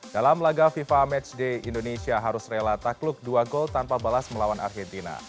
dalam laga fifa matchday indonesia harus rela takluk dua gol tanpa balas melawan argentina